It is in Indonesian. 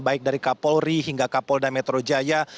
baik dari kapolri hingga kapolda metro jaya